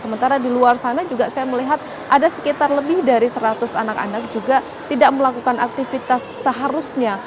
sementara di luar sana juga saya melihat ada sekitar lebih dari seratus anak anak juga tidak melakukan aktivitas seharusnya